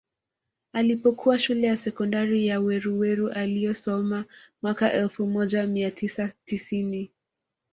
Alipokuwa Shule ya Sekondari ya Weruweru aliyosoma mwaka elfu moja mia tisa tisini